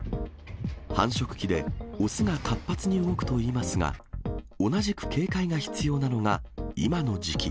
繁殖期で、雄が活発に動くといいますが、同じく警戒が必要なのが今の時期。